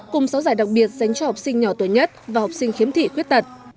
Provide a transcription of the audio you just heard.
cùng sáu giải đặc biệt dành cho học sinh nhỏ tuổi nhất và học sinh khiếm thị khuyết tật